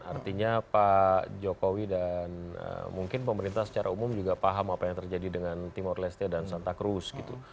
artinya pak jokowi dan mungkin pemerintah secara umum juga paham apa yang terjadi dengan timor leste dan santa crus gitu